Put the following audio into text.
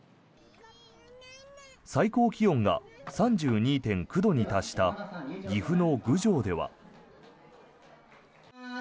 最高気温が３２．９度に達した岐阜の郡上では。